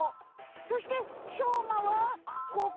そしてしょうまはここ！